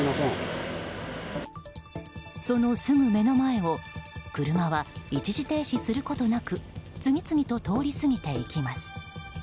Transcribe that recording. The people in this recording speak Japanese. そのすぐ目の前を車は一時停止することなく次々と通り過ぎていきます。